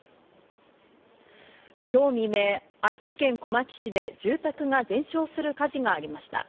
今日未明、愛知県小牧市で住宅が全焼する火事がありました。